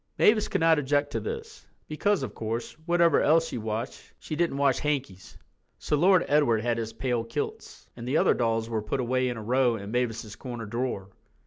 Mavis could not object to this, because, of course, whatever else she washed she didn't wash hankies. So Lord Edward had his pale kilts, and the other dolls were put away in a row in Mavis's corner drawer.